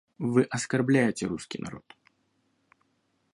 Вы оскорбляете русский народ.